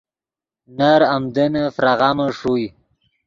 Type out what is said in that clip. نر آمدنّے فراغامے ݰوئے